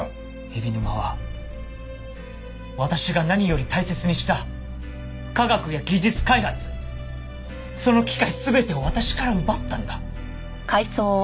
海老沼は私が何より大切にした科学や技術開発その機会全てを私から奪ったんだ。